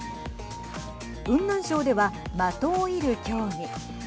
雲南省では的を射る競技。